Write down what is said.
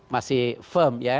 masih firm ya